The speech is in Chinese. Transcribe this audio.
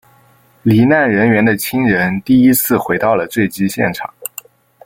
罹难人员的亲人第一次回到了坠机现场。